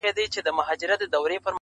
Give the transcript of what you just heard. وارخطا سو ویل څه غواړې په غره کي٫